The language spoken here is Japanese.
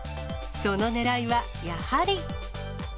そのねらいは、やはり。